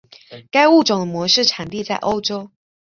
该物种的模式产地在欧洲。